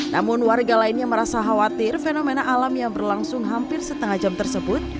namun warga lainnya merasa khawatir fenomena alam yang berlangsung hampir setengah jam tersebut